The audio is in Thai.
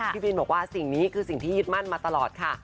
พี่บินบอกว่าสิ่งนี้คือสิ่งที่ยึดมั่นมาตลอดค่ะ